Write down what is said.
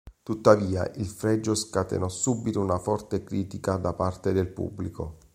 Tuttavia, il fregio scatenò subito una forte critica da parte del pubblico.